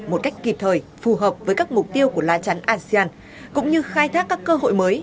một cách kịp thời phù hợp với các mục tiêu của lá chắn asean cũng như khai thác các cơ hội mới